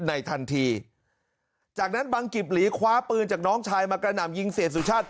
ทันทีจากนั้นบังกิบหลีคว้าปืนจากน้องชายมากระหน่ำยิงเสียสุชาติ